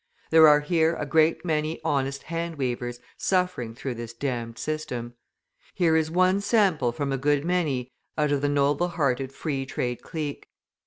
There are here a great many honest hand weavers suffering through this damned system; here is one sample from a good many out of the noble hearted Free Trade Clique.